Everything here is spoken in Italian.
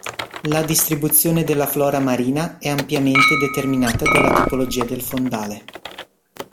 La distribuzione della flora marina è ampiamente determinata dalla tipologia del fondale.